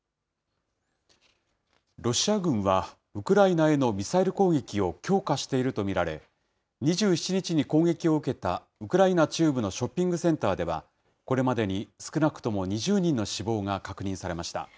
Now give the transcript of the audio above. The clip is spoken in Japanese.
ロシア軍は、ウクライナへのミサイル攻撃を強化していると見られ、２７日に攻撃を受けたウクライナ中部のショッピングセンターでは、これまでに少なくとも２０人の死亡が確認されました。